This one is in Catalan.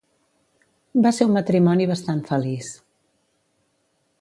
Va ser un matrimoni bastant feliç.